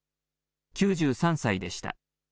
９３歳でした。